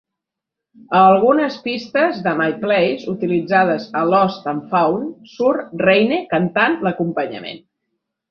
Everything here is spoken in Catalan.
A algunes pistes de "My Place" utilitzades a "Lost and Found" surt Reyne cantant l'acompanyament.